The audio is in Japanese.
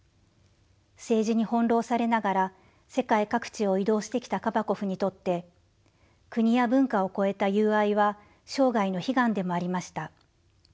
政治に翻弄されながら世界各地を移動してきたカバコフにとって国や文化を越えた友愛は生涯の悲願でもありました。